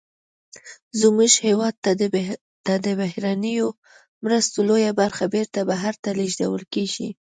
زمونږ هېواد ته د بهرنیو مرستو لویه برخه بیرته بهر ته لیږدول کیږي.